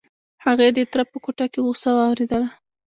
هغې د تره په کوټه کې غوسه واورېدله.